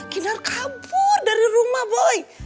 kinar kabur dari rumah boy